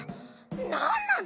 なんなの？